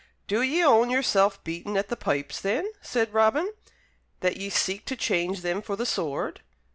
"Do ye own yourself beaten at the pipes, then," said Robin, "that ye seek to change them for the sword?"